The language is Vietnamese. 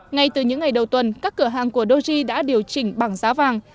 ngay từ những ngày đầu tuần các cửa hàng của doge đã điều chỉnh bằng giá vàng